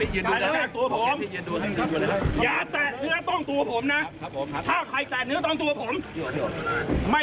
อยู่ในเครื่องแบบไม่ให้เก่งผม